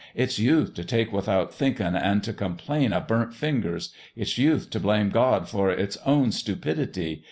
It's youth t' take without thinkin', an' t' complain o' burnt fingers. It's youth t' blame God for its own stupidity.